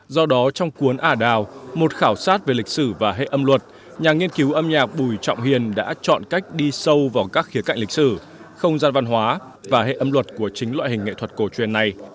do đó trong cuốn ả đào một khảo sát về lịch sử và hệ âm luật nhà nghiên cứu âm nhạc bùi trọng hiền đã chọn cách đi sâu vào các khía cạnh lịch sử không gian văn hóa và hệ âm luật của chính loại hình nghệ thuật cổ truyền này